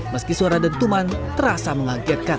meski suara dentuman terasa mengagetkan